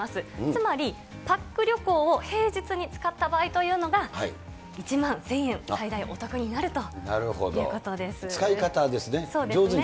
つまり、パック旅行を平日に使った場合というのが、１万１０００円、なるほど、使い方ですね。